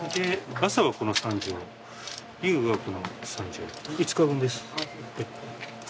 朝はこの３錠、夜はこの３錠５日分です。